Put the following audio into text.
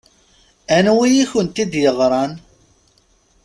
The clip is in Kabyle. Anwi i kent-d-yeɣṛan?